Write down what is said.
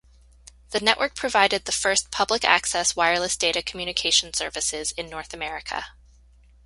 The network provided the first public access wireless data communication services in North America.